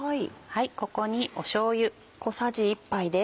ここにしょうゆ。